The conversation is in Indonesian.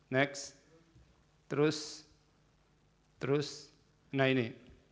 next terus terus nah ini